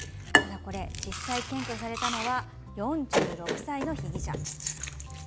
実際検挙されたのは４６歳の被疑者。